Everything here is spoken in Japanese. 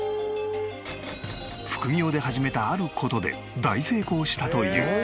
副業で始めたある事で大成功したという。